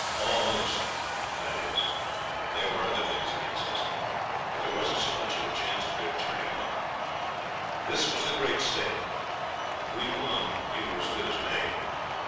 Almost, that is there were other things against us; but there wasn't so much of a chance of their turning up. This was the great stake. If we won we were as good as made.